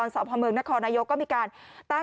สุดยอดดีแล้วล่ะ